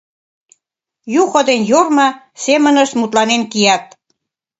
Юхо ден Йорма семынышт мутланен кият.